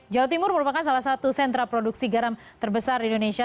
jawa timur merupakan salah satu sentra produksi garam terbesar di indonesia